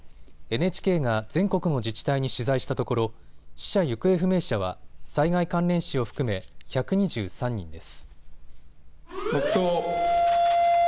ＮＨＫが全国の自治体に取材したところ死者・行方不明者は災害関連死を含め１２３人です。